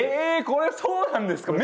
これそうなんですか。